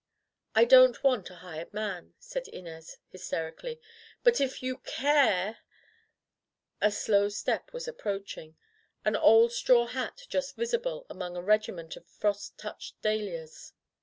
"I don't want a hired man," said Inez, hysterically, "but, if you care " A slow step was approaching — ^an old straw hat just visible above a regiment of frost touched dahlias.